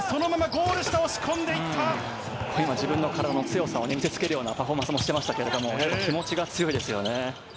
今、こうして自分の体の強さを見せつけるようなパフォーマンスもしてましたけれども、やっぱり気持ちが強いですよね。